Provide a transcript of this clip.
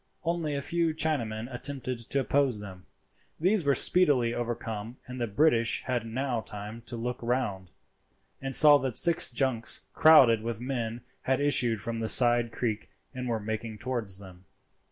Only a few Chinamen attempted to oppose them. These were speedily overcome, and the British had now time to look round, and saw that six junks crowded with men had issued from the side creek and were making towards them.